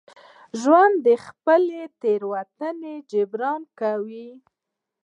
ژوندي د خپلې تېروتنې جبران کوي